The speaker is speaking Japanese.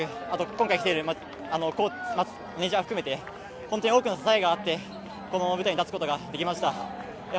今回来ているメジャーを含めて、本当に多くの支えがあってこの舞台に立つことができました